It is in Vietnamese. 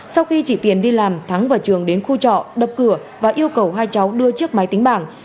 sau khi chị tiền đi làm thắng và trường đến khu trọ đập cửa và yêu cầu hai cháu đưa chiếc máy tính bảng